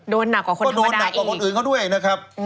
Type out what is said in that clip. โดนหนักกว่าคนธรรมดาอีกก็โดนหนักกว่าคนอื่นเขาด้วยนะครับ